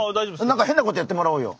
なんか変なことやってもらおうよ。